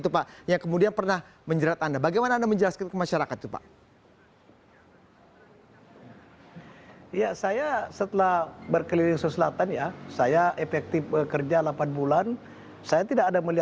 tampak bersama kami